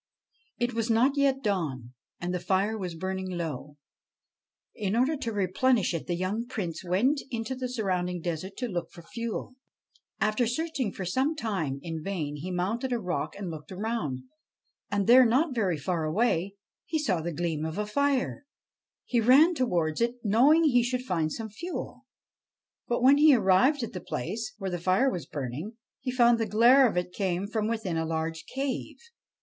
It was not yet dawn, and the fire was burning low. In order to replenish it the young Prince went into the surrounding desert to look for fuel. After searching for some time in vain, he mounted a rock and looked around ; and there, not very far away, he saw the gleam of a fire. He ran towards it, knowing he should find some fuel. But, when he arrived at the place where the fire was burning, he found the glare of it came from within a large cave.